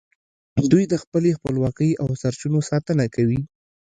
دوی د خپلې خپلواکۍ او سرچینو ساتنه کوي